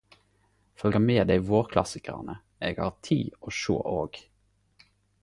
Følger med dei vårklassikarane eg har tid å sjå og.